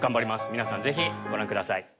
皆さん是非ご覧ください。